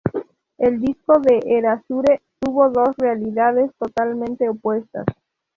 El disco de Erasure tuvo dos realidades totalmente opuestas.